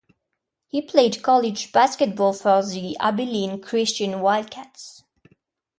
He played college basketball for the Abilene Christian Wildcats.